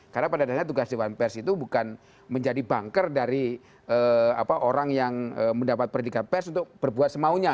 karena pada dasarnya tugas dewan pers itu bukan menjadi bangker dari orang yang mendapat pernikahan pers untuk berbuat semaunya